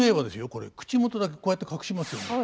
これ口元だけこうやって隠しますよね。